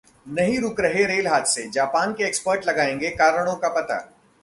नहीं रुक रहे रेल हादसे, जापान के एक्सपर्ट लगाएंगे कारणों का पता